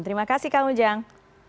terima kasih kang ujang